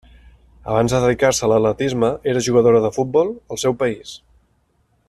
Abans de dedicar-se a l'atletisme era jugadora de futbol al seu país.